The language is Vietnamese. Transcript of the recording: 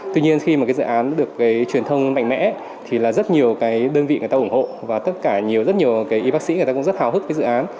tuy nhiên khi dự án được truyền thông mạnh mẽ rất nhiều đơn vị ủng hộ và rất nhiều y bác sĩ cũng rất hào hức với dự án